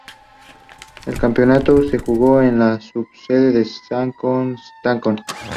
El campeonato se jugó en la subsede de Saskatoon.